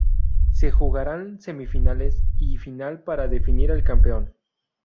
Se jugarán semifinales y final para definir el campeón.